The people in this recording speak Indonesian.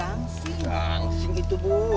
gansi gitu bu